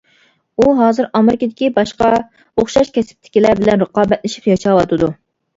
ئۇ ھازىر ئامېرىكىدىكى باشقا ئوخشاش كەسىپتىكىلەر بىلەن رىقابەتلىشىپ ياشاۋاتىدۇ.